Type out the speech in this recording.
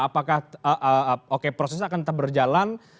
apakah oke prosesnya akan tetap berjalan